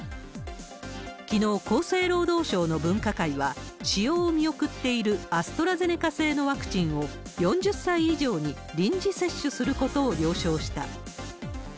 きのう、厚生労働省の分科会は、使用を見送っているアストラゼネカ製のワクチンを、４０歳以上に臨時接種することを了承した。